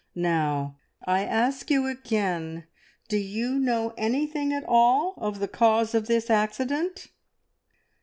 Now, I ask you again, do you know anything at all of the cause of this accident?"